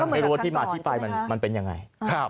ไม่รู้ว่าที่มาที่ไปมันเป็นยังไง